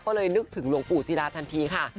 ก็เลยนึกถึงหลวงปู่ศิราทันทีค่ะ